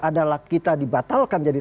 adalah kita dibatalkan jadi